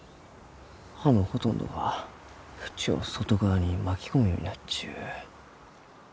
葉のほとんどが縁を外側に巻き込むようになっちゅう。